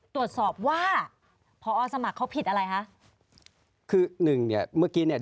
ตรวจสอบว่าพอสมัครเขาผิดอะไรคะคือหนึ่งเนี่ยเมื่อกี้เนี่ย